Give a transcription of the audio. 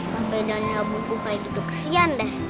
sampai daniel buku kayak gitu kesian deh